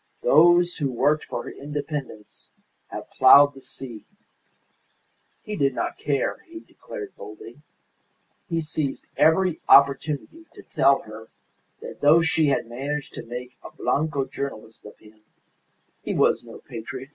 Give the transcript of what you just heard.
Those who worked for her independence have ploughed the sea." He did not care, he declared boldly; he seized every opportunity to tell her that though she had managed to make a Blanco journalist of him, he was no patriot.